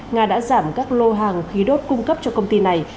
nga đã giảm các lô hàng khí đốt cung cấp cho công ty này